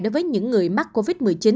đối với những người mắc covid một mươi chín